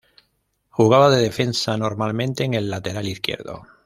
Jugaba de defensa, normalmente en el lateral izquierdo.